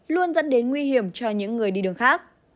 luôn dẫn đến nguy hiểm cho những người đi đường khác